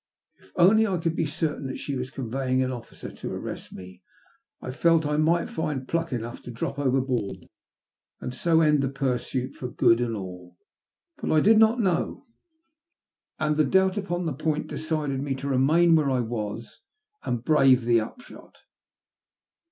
If only I could be certain that she was conveying an officer to arrest me, I felt I might find pluck enough to drop overboard and so end the pursuit for good and all. But I did tl8 SOUTH AFRICA. 213 not know, and the doubt upon the point decided me to remain where I was and brave the upshot.